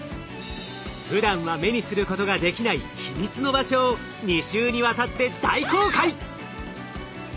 ふだんは目にすることができない秘密の場所を２週にわたって大公開！